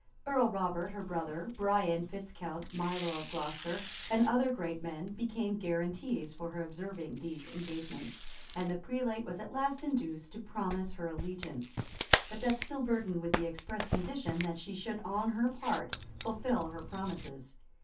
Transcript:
Earl Robert, her brother, Brian Fitz Count, Milo of Glocester, and other great men, became guaranties for her observing these engagements;[*] and the prelate was at last induced to promise her allegiance, but that still burdened with the express condition, that she should on her part fulfil her promises.